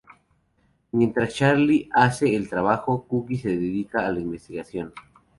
Mientras Charley hace el trabajo, Cookie se dedica a la investigación.